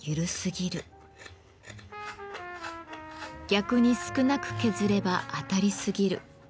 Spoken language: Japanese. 逆に少なく削れば当たりすぎる。